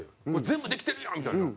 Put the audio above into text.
「全部できてるやん！」みたいな。